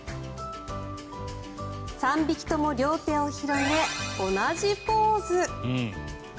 ３匹とも両手を広げ同じポーズ。